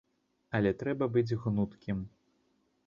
Але трэба быць гнуткім.